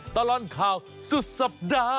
ตอนรนค่าบริเวณสุดศัพท์ดา